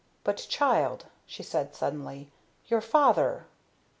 "But, child," she said suddenly, "your father!"